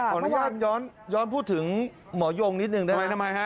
ขออนุญาตย้อนพูดถึงหมอยงนิดนึงได้ไหมทำไมฮะ